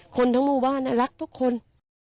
คนทั้งหมู่บ้านรักทุกคน